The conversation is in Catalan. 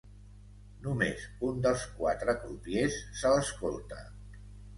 Només un dels quatre crupiers se l'escolta.